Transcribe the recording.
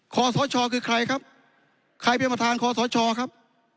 ขอสชคือใครครับใครเป็นประธานคอสชครับ